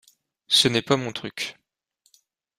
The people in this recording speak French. Ce n'est pas mon truc.